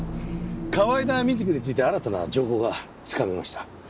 河井田瑞希について新たな情報がつかめました。